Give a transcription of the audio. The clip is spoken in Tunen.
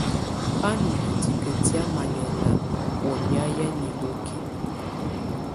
Bá ndɔ̀ hìtìkǝ tɛ̀á manyɛ̀nà ɔ̀ nyɛ̀á nihokí.